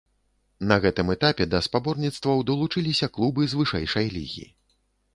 На гэтым этапе да спаборніцтваў далучыліся клубы з вышэйшай лігі.